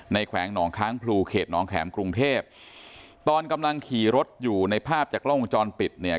แขวงหนองค้างพลูเขตน้องแข็มกรุงเทพตอนกำลังขี่รถอยู่ในภาพจากกล้องวงจรปิดเนี่ย